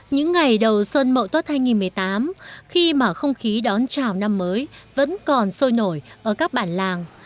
những ngày đầu xuân mậu tuất hai nghìn một mươi tám khi mà không khí đón chào năm mới vẫn còn sôi nổi ở các bản làng